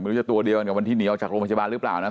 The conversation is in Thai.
ไม่รู้จะตัวเดียวเนี่ยวันที่หนีออกจากโรงพยาบาลหรือเปล่านะ